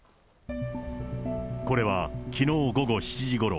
これはきのう午後７時ごろ、